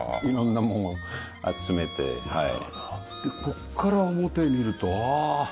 ここから表見るとあ！